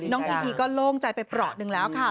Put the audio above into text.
พีพีก็โล่งใจไปเปราะหนึ่งแล้วค่ะ